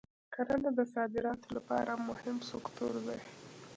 کرنه د صادراتو لپاره مهم سکتور دی.